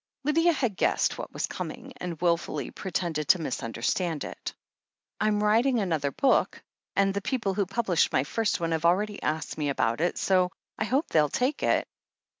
Lydia had guessed what was coming, and wilfully pretended to misunderstand it. "I'm writing another book, and the people who pub lished my first one have already asked me about it, so I hope they'll take it."